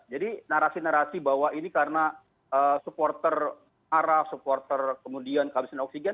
jadi narasi narasi bahwa ini karena supporter marah supporter kemudian kehabisan oksigen